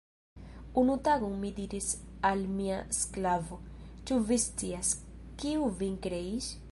Unu tagon, mi diris al mia sklavo, Ĉu vi scias, kiu vin kreis?